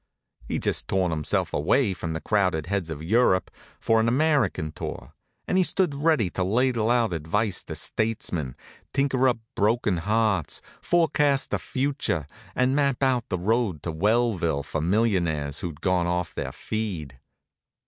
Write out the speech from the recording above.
He'd just torn himself away from the crowned heads of Europe for an American tour, and he stood ready to ladle out advice to statesmen, tinker up broken hearts, forecast the future, and map out the road to Wellville for millionaires who'd gone off their feed.